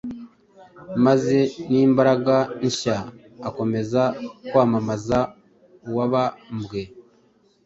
maze n’imbaraga nshya, akomeza kwamamaza Uwabambwe.